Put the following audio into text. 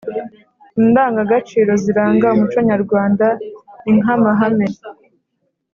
indangagaciro ziranga umuco nyarwanda ni nk'amahame